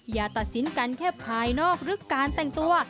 อย่าตัดสินกันแค่ภายนอกหรือการแต่งตัว